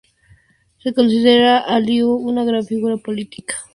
Se considera a Lew una gran figura política de al Mancomunidad de Polonia-Lituania.